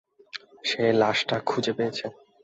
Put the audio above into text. সে লাশটা খুঁজে পেয়েছে।